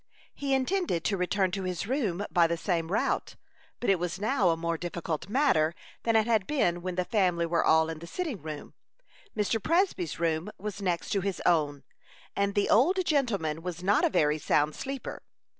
He intended to return to his room by the same route, but it was now a more difficult matter than it had been when the family were all in the sitting room. Mr. Presby's room was next to his own, and the old gentleman was not a very sound sleeper.